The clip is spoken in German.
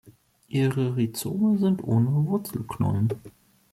Ihre Rhizome sind ohne Wurzelknollen.